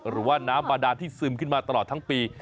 หรือว่าน้ำบาดานที่ซึมขึ้นมาตลอดทั้งปี